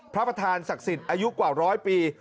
พระประธานศักดิ์สิทธิ์อายุกว่าร้อยปี